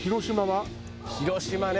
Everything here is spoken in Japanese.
広島ね。